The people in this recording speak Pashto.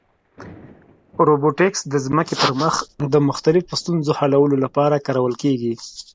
روبوټیکس د ځمکې پر مخ د مختلفو ستونزو حلولو لپاره کارول کېږي.